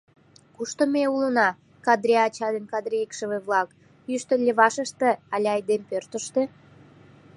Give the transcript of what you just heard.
— Кушто ме улына, Кадри-ача ден Кадри-икшыве-влак, йӱштӧ левашыште але айдем пӧртыштӧ?